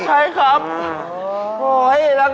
ใช่ครับ